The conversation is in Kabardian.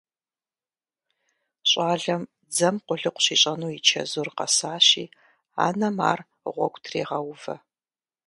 ЩӀалэм дзэм къулыкъу щищӀэну и чэзур къэсащи, анэм ар гъуэгу трегъэувэ.